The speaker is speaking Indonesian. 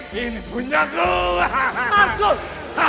hei sudah gila marcos